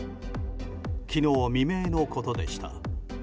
昨日未明のことでした。